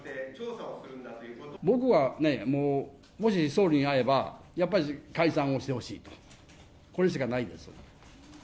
僕は、もし総理に会えばやっぱし解散をしてほしい、これしかないです。